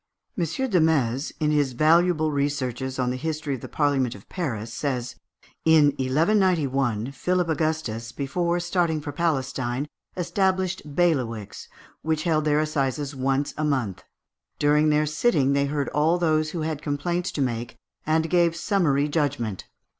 Desmaze, in his valuable researches on the history of the Parliament of Paris, says "In 1191, Philip Augustus, before starting for Palestine, established bailiwicks, which held their assizes once a month; during their sitting they heard all those who had complaints to make, and gave summary judgment.